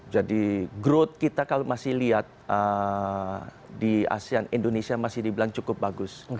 jadi growth kita kalau masih lihat di asean indonesia masih dibilang cukup bagus